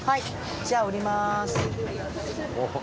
じゃあ降ります。